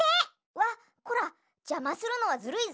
わっこらじゃまするのはずるいぞ！